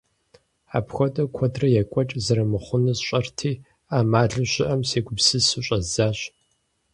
Апхуэдэу куэдрэ екӀуэкӀ зэрымыхъунур сщӀэрти, Ӏэмалу щыӀэм сегупсысу щӀэздзащ.